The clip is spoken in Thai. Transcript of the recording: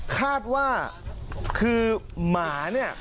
คาดว่าคือหมาเนี่ย